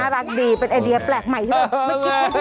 รักดีเป็นไอเดียแปลกใหม่ใช่ไหม